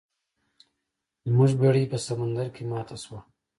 زموږ بیړۍ په سمندر کې ماته شوه.